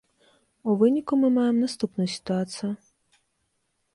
У выніку мы маем наступную сітуацыю.